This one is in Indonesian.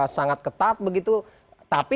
sangat ketat begitu tapi